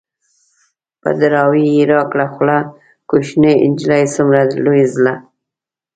په دراوۍ يې راکړه خوله - کوشنی نجلۍ څومره لوی زړه